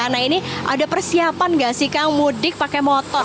nah ini ada persiapan nggak sih kang mudik pakai motor